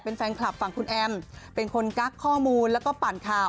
เป็นแฟนคลับฝั่งคุณแอมเป็นคนกักข้อมูลแล้วก็ปั่นข่าว